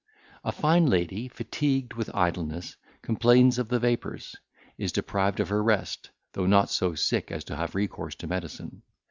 A fine lady, fatigued with idleness, complains of the vapours, is deprived of her rest, though not so sick as to have recourse to medicine.